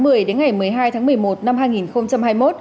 để đến ngày một mươi hai tháng một mươi một năm hai nghìn hai mươi một